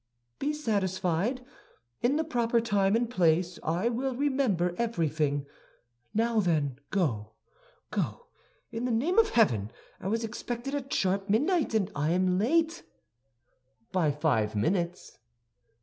"Be satisfied. In the proper time and place I will remember everything. Now then, go, go, in the name of heaven! I was expected at sharp midnight, and I am late." "By five minutes."